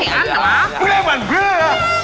มันเลี่ยงจังเลยไอ้ยัมโม